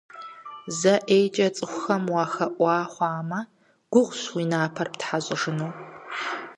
Зэ ӀейкӀэ цӀыхухэм уахэӀуа хъуамэ, гугъущ уи напэр птхьэщӀыжыну.